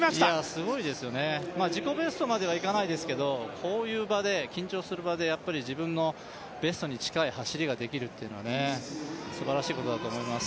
すごいですよね、自己ベストまではいかないですけどこういう場で緊張する場で自分のベストに近い走りができるっていうのはすばらしいことだと思います。